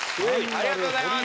ありがとうございます。